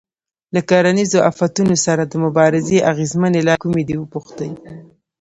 له کرنیزو آفتونو سره د مبارزې اغېزمنې لارې کومې دي وپوښتئ.